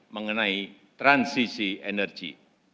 mengenai transisi energi